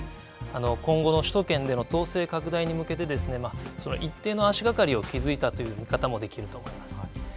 今後の首都圏での党勢拡大に向けてですね、一定の足がかりを築いたという見方もできると思います。